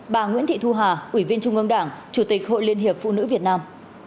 bà nguyễn thị thu hà ủy viên trung ương đảng chủ tịch hội liên hiệp phụ nữ việt nam